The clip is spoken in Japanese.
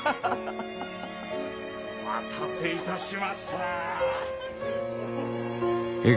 お待たせいたしました。